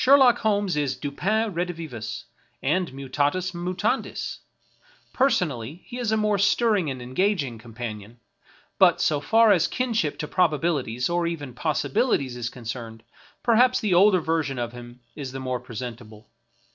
Sherlock Holmes is Dupin redivivus, and mutatus mutandis ; personally he is a more stirring and engaging companion, but so far as kinship to probabilities or even possibilities is concerned, perhaps the older version of him is the more presentable.